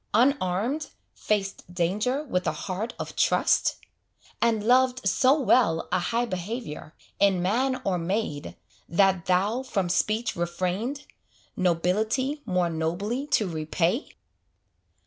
Unarmed, faced danger with a heart of trust? And loved so well a high behaviour, In man or maid, that thou from speech refrained, Nobility more nobly to repay?